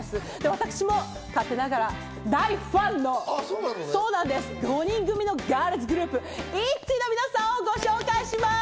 私も勝手ながら大ファンの５人組のガールズグループ、ＩＴＺＹの皆さんをご紹介します。